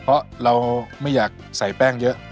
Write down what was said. เพราะเราไม่อยากใส่แป้งเยอะ